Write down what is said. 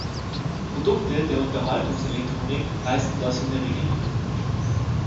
Produkte der Unterhaltungselektronik leisten das in der Regel nicht.